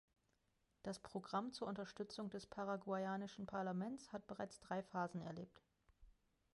Das Programm zur Unterstützung des paraguayanischen Parlaments hat bereits drei Phasen erlebt.